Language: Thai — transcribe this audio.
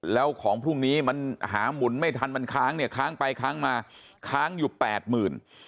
แล้วของพรุ่งนี้มันหาหมุนไม่ทันมันค้างเนี่ยค้างไปค้างมาค้างอยู่แปดหมื่น